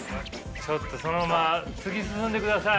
ちょっとそのまま突き進んでください。